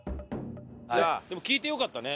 でも聞いてよかったね。